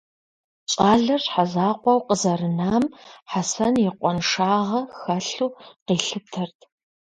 Щӏалэр щхьэзакъуэу къызэрынам Хьэсэн и къуэншагъэ хэлъу къилъытэрт.